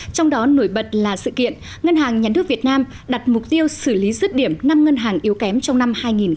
trong đó nổi bật là sự kiện ngân hàng nhán đức việt nam đặt mục tiêu xử lý rứt điểm năm ngân hàng yếu kém trong năm hai nghìn một mươi bảy